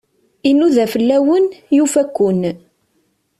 Inuda fell-awen, yufa-ken.